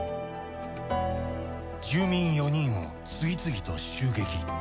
住民４人を次々と襲撃。